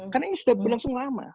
karena ini sudah berlangsung lama